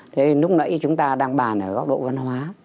thế lúc nãy chúng ta đang bàn ở góc độ văn hóa